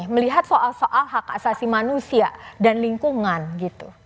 melihat soal soal hak asasi manusia dan lingkungan gitu